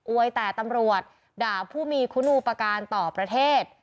วยแต่ตำรวจด่าผู้มีคุณอุปการณ์ต่อประเทศ